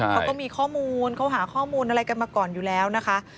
เขาก็มีข้อมูลเขาหาข้อมูลอะไรกันมาก่อนอยู่แล้วนะคะ